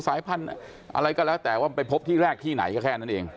สายพันธุ์อะไรก็แล้วแต่ว่าไปพบที่แรกที่ไหนก็แค่นั้นเอง